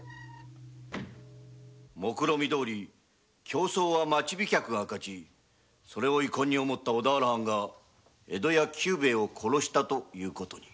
競争は町飛脚が勝ちそれを遺恨に思った小田原藩が江戸屋久兵ヱを殺したという事に。